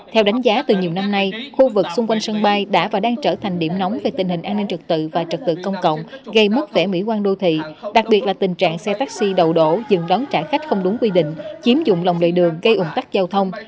theo đánh giá từ nhiều năm nay khu vực xung quanh sân bay đã và đang trở thành điểm nóng về tình hình an ninh trực tự và trật tự công cộng gây mất vẻ mỹ quan đô thị đặc biệt là tình trạng xe taxi đầu đổ dừng đón trả khách không đúng quy định chiếm dụng lòng đầy đường gây ủng tắc giao thông